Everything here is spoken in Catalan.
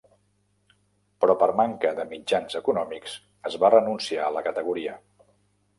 Però per manca de mitjans econòmics es va renunciar a la categoria.